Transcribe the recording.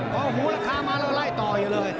พอหูราคามาแล้วไล่ต่ออยู่เลย